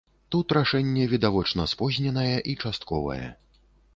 Тут рашэнне відавочна спозненае і частковае.